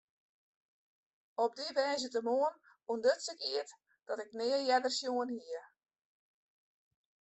Op dy woansdeitemoarn ûntduts ik eat dat ik nea earder sjoen hie.